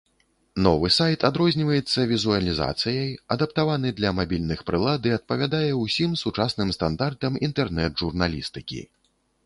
Новы сайт адрозніваецца візуалізацыяй, адаптаваны для мабільных прылад і адпавядае ўсім сучасным стандартам інтэрнэт-журналістыкі.